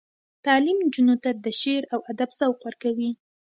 تعلیم نجونو ته د شعر او ادب ذوق ورکوي.